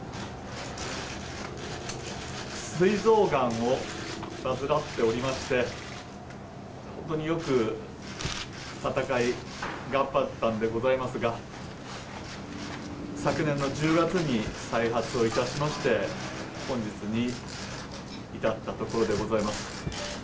すい臓がんを患っておりまして、本当によく闘い、頑張ったんでございますが、昨年の１０月に再発をいたしまして、本日に至った所でございます。